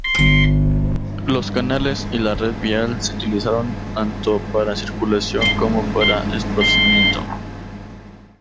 Los canales y la red vial se utilizaron tanto para circulación como para esparcimiento.